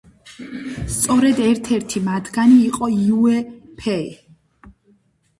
სწორედ ერთ-ერთი მათგანი იყო იუე ფეი.